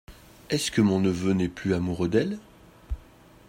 Est-ce que mon neveu n’est plus amoureux d’elle ?